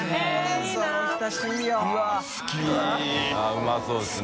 うまそうですね。